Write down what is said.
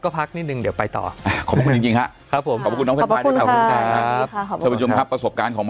โครงโครงต่างหลักสอง